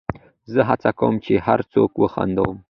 زه هڅه کوم، چي هر څوک وخندوم.